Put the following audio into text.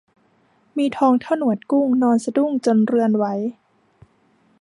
มีทองเท่าหนวดกุ้ง นอนสะดุ้งจนเรือนไหว